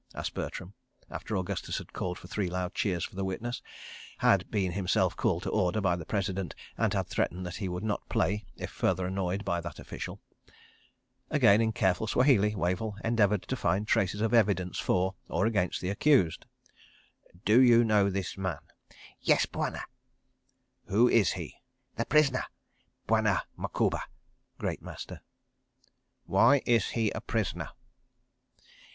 asked Bertram, after Augustus had called for three loud cheers for the witness, had been himself called to order by the President, and had threatened that he would not play if further annoyed by that official. Again, in careful Swahili, Wavell endeavoured to find traces of evidence for or against the accused. "Do you know this man?" "Yes, Bwana." "Who is he?" "The prisoner, Bwana Macouba (Great Master)." "Why is he a prisoner?"